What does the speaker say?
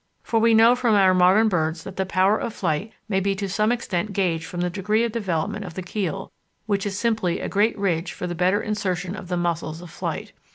For we know from our modern birds that the power of flight may be to some extent gauged from the degree of development of the keel, which is simply a great ridge for the better insertion of the muscles of flight.